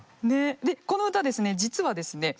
でこの歌ですね実はですね